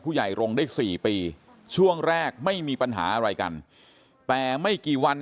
รงค์ได้๔ปีช่วงแรกไม่มีปัญหาอะไรกันแต่ไม่กี่วัน